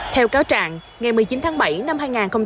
theo cáo trạng ngày một mươi chín tháng bảy năm hai nghìn một mươi tám